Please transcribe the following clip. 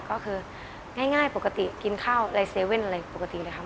ก็คือง่ายปกติกินข้าวไทยเซเซเวนด์อะไรปกติเลยค่ะ